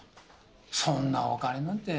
そんなお金なんて。